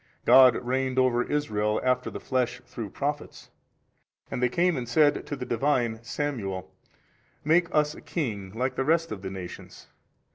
God reigned over Israel after the flesh through Prophets. And they came and said to the Divine Samuel, Make us a king like the rest of the nations.